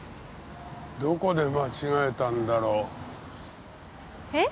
どこで間違えたんだろう？え？